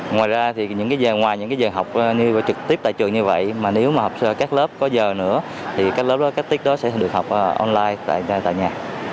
ngoài ra thì ngoài những giờ học trực tiếp tại trường như vậy mà nếu mà các lớp có giờ nữa thì các lớp đó sẽ được học online tại nhà